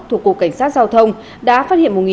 thuộc cục cảnh sát giao thông